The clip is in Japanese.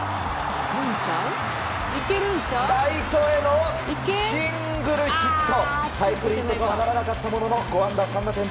ライトへのシングルヒット！